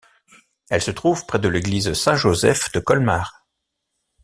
Elle se trouve près de l'église Saint-Joseph de Colmar.